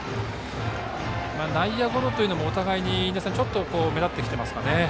内野ゴロというのもお互いに目立ってきていますか。